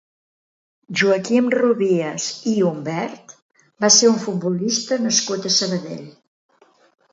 Joaquim Rubies i Umbert va ser un futbolista nascut a Sabadell.